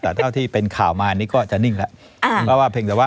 แต่เท่าที่เป็นข่าวมานี่ก็จะนิ่งแล้ว